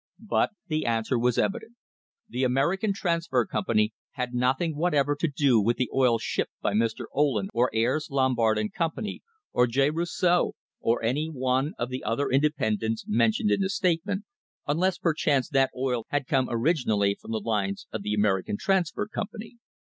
But the answer was evident. The American Transfer Com pany had nothing whatever to do with the oil shipped by Mr. Ohlen or Ayres, Lombard and Company or J. Rousseaux or any one of the other independents mentioned in the statement, unless perchance that oil had come originally from the lines of the American Transfer Company.